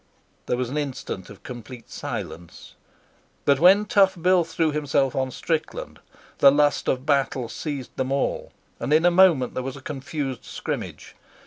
There was an instant of complete silence, but when Tough Bill threw himself on Strickland the lust of battle seized them all, and in a moment there was a confused scrimmage.